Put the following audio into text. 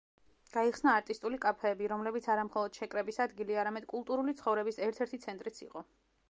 გაიხსნა არტისტული კაფეები, რომლებიც არა მხოლოდ შეკრების ადგილი, არამედ კულტურული ცხოვრების ერთ-ერთი ცენტრიც იყო.